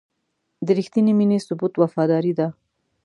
د رښتینې مینې ثبوت وفاداري ده.